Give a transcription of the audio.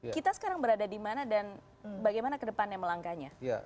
kita sekarang berada di mana dan bagaimana ke depannya melangkanya